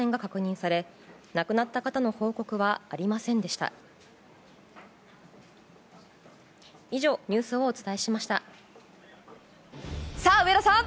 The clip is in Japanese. さあ、上田さん。